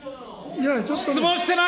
質問してない。